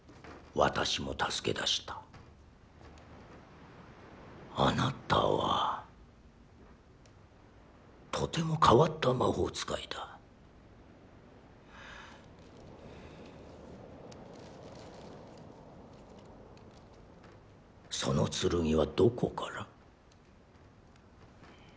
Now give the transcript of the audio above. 私も助け出したあなたはとても変わった魔法使いだその剣はどこから？